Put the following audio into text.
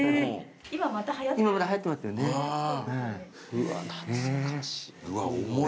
うわ懐かしい。